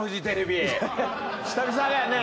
久々だよね